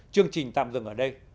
chương trình tạm dừng ở đây